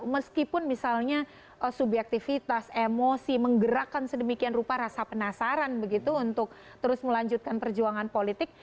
meskipun misalnya subyektivitas emosi menggerakkan sedemikian rupa rasa penasaran begitu untuk terus melanjutkan perjuangan politik